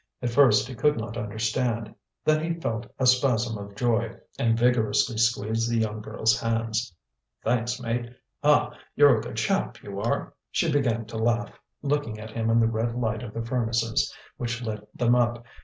At first he could not understand. Then he felt a spasm of joy, and vigorously squeezed the young girl's hands. "Thanks, mate. Ah! you're a good chap, you are!" She began to laugh, looking at him in the red light of the furnaces, which lit them up.